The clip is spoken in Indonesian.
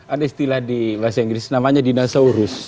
ada istilah di bahasa inggris namanya dinosaurus